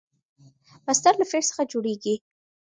مصدر له فعل څخه جوړېږي.